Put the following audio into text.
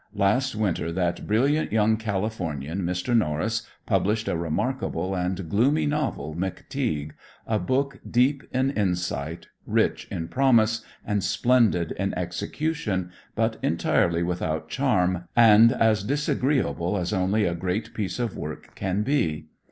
Last winter that brilliant young Californian, Mr. Norris, published a remarkable and gloomy novel, "McTeague," a book deep in insight, rich in promise and splendid in execution, but entirely without charm and as disagreeable as only a great piece of work can be.